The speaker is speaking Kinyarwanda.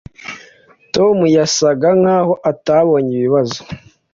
Tom yasaga nkaho atabonye ibibazo